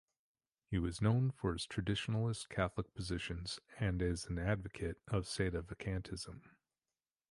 He was known for his traditionalist Catholic positions and is an advocate of sedevacantism.